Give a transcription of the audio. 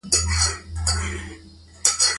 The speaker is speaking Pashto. کندهار ښاروالي ډاډ ورکوي چي د ښار د بېلابېلو